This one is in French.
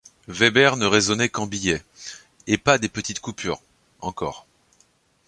Weber ne raisonnait qu’en billets, et pas des petites coupures, encore.